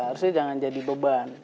harusnya jangan jadi beban